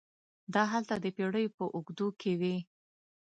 دا هلته د پېړیو په اوږدو کې وې.